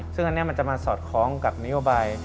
ซึ่งอันนี้มันจะมาสอดคล้องกับนโยบาย